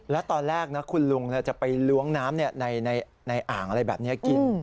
แล้วตอนแรกนะคุณลุงจะไปล้วงน้ำในอ่างอะไรแบบนี้กิน